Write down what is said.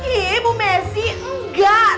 ibu messi enggak